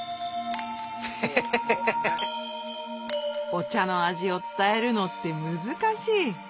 お茶の味を伝えるのって難しい！